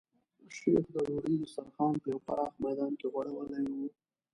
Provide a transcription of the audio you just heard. شیخ د ډوډۍ دسترخوان په یو پراخ میدان کې غوړولی و.